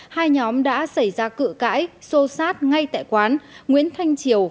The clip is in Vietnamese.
hai nhóm đã xảy ra cự cãi xô sát ngay tại quán nguyễn thanh triều